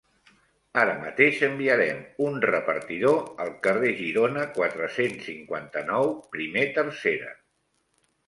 Ara mateix enviarem un repartidor al Carrer Girona quatre-cents cinquanta-nou, primer tercera.